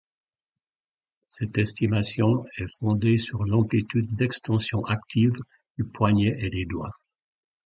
Cette estimation est fondée sur l'amplitude d'extension active du poignet et des doigts.